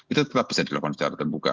itu tetap bisa dilakukan secara terbuka